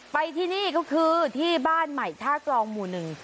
ไปที่นี่ก็คือที่บ้านใหม่ท่ากรองหมู่หนึ่ง